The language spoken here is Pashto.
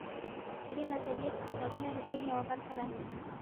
په دې نظریه کې کتابونه د دین یوه برخه دي.